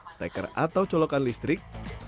staker atau colokan listrik